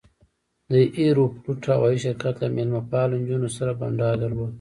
د ایروفلوټ هوایي شرکت له میلمه پالو نجونو سره بنډار درلود.